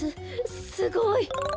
すすごい！